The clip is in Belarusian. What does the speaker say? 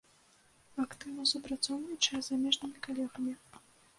Актыўна супрацоўнічае з замежнымі калегамі.